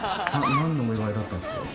何のお祝いだったんですか？